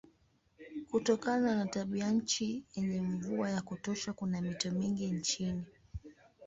Kutokana na tabianchi yenye mvua ya kutosha kuna mito mingi nchini.